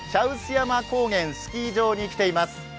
山高原スキー場に来ています。